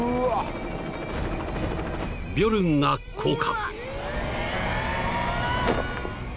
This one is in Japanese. ［ビョルンが降下］